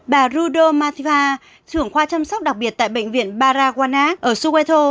bà rudo mathiva thưởng khoa chăm sóc đặc biệt tại bệnh viện paragwana ở soweto